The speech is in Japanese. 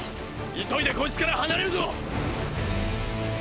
⁉急いでこいつから離れるぞ！